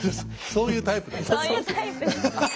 そういうタイプ。